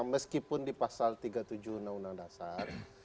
meskipun di pasal tiga puluh tujuh undang undang dasar